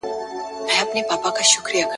وږی تږی د غار خوله کي غځېدلی `